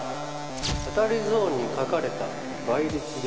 「当たりゾーンに書かれた倍率で」